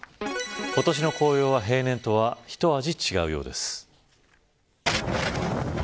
今年の紅葉は平年とは一味違うようです。